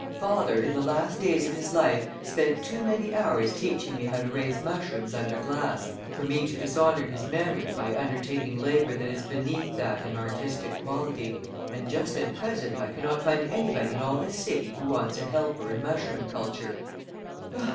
Father in the last days of his life spent too many hours teaching me how to raise mushrooms under glass for me to dishonor his memory by undertaking labor that is beneath that in artistic quality, and just at present I cannot find anybody in all this city who wants a helper in mushroom culture."